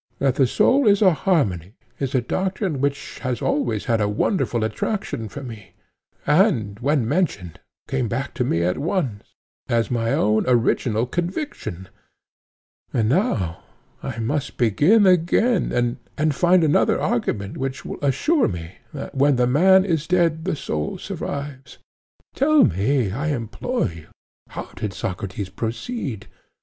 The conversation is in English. That the soul is a harmony is a doctrine which has always had a wonderful attraction for me, and, when mentioned, came back to me at once, as my own original conviction. And now I must begin again and find another argument which will assure me that when the man is dead the soul survives. Tell me, I implore you, how did Socrates proceed?